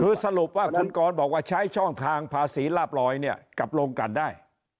คือสรุปว่าคุณกรบอกว่าใช้ช่องทางภาษีลาบลอยเนี่ยกลับลงกันได้